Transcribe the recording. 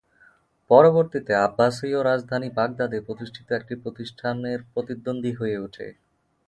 পরবর্তীতে আব্বাসীয় রাজধানী বাগদাদে প্রতিষ্ঠিত একটি প্রতিষ্ঠান এর প্রতিদ্বন্দ্বী হয়ে ওঠে।